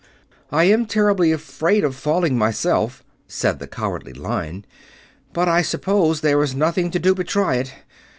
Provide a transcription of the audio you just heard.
"I am terribly afraid of falling, myself," said the Cowardly Lion, "but I suppose there is nothing to do but try it.